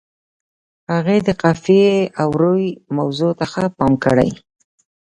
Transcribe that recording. هغه د قافیې او روي موضوع ته ښه پام کړی.